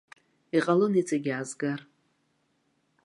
Иҟалон иҵегьы аазгар.